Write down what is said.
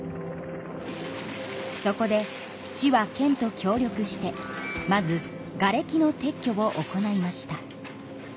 そこで市は県と協力してまずがれきの撤去を行いました。